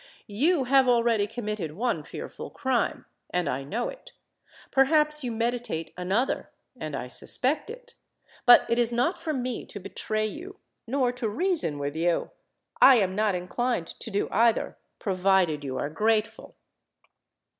You have already committed one fearful crime—and I know it: perhaps you meditate another—and I suspect it. But it is not for me to betray you—nor to reason with you:—I am not inclined to do either—provided you are grateful."